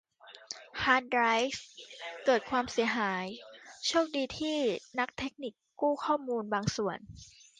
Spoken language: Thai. ฮาร์ดไดรฟ์เกิดความเสียหายโชคดีที่นักเทคนิคกู้ข้อมูลบางส่วน